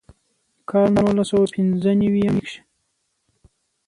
کال نولس سوه پينځۀ نوي يم کښې